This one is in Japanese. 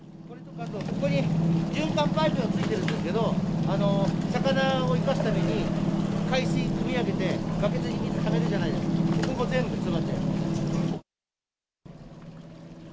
ここに循環パイプがついてるんですけど、魚を生かすために海水くみ上げて、バケツに水ためるじゃないですか、ここが全部詰まっちゃいます。